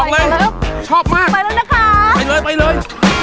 อร่อยดีพี่